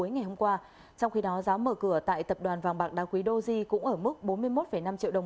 ngày hôm qua trong khi đó giá mở cửa tại tập đoàn vàng bạc đa quý doji cũng ở mức bốn mươi một năm triệu đồng